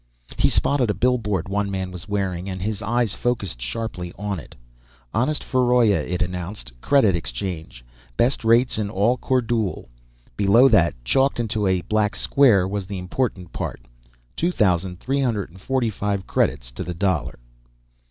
He spotted a billboard one man was wearing, and his eyes focused sharply on it. "Honest Feroiya," it announced. "Credit exchange. Best rates in all Kordule." Below that, chalked into a black square, was the important part: "2,345 credits the dollar."